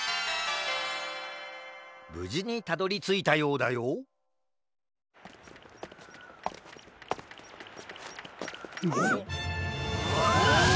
ぶじにたどりついたようだよあっあっ！